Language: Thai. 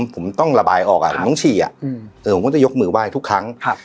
ผมต้องระบายออกอ่ะผมต้องชีอ่ะอืมเออผมก็จะยกมือว่าให้ทุกครั้งครับ